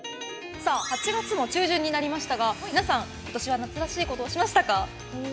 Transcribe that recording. ８月も中旬になりましたが皆さん、今年は夏らしいことしましたか？